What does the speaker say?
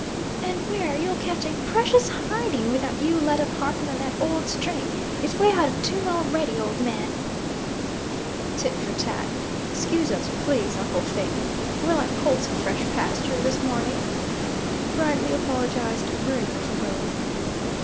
"And where you'll catch a precious hiding, without you let up harping on that old string; it's way out of tune already, old man." "Tit for tat. Excuse us, please, uncle Phaeton. We're like colts in fresh pasture, this morning," brightly apologised Bruno, for both.